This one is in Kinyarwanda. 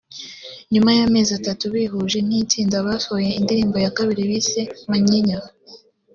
nyuma y’amezi atatu bihuje nk’itsinda basohoye indirimbo ya kabiri bise ‘Manyinya’